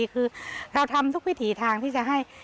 คือเราทำทุกวิถีทางที่จะให้